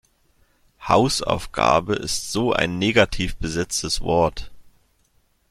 Hausaufgabe ist so ein negativ besetztes Wort.